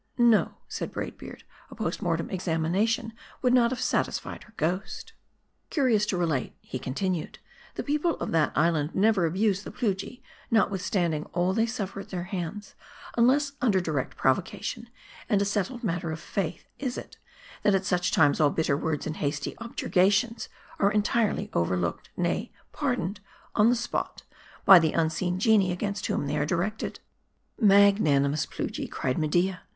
"No," said Braid Beard; " a post mortem examination would not have satisfied her ghost." "Curious to relate," he continued, "the people of that island never abuse the Plujii, notwithstanding all they suffer at their hands, unless under direct provocation ; and a set tled matter of faith is it, that at such times all bitter words and hasty objurgations are entirely overlooked, nay, pardoned on the spot, by the unseen genii against whom they are directed." " Magnanimous Plujii !" cried Media.